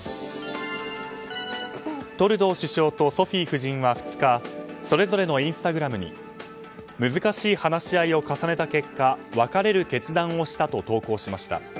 トルドー首相とソフィー夫人は２日それぞれのインスタグラムに難しい話し合いを重ねた結果別れる決断をしたと投稿しました。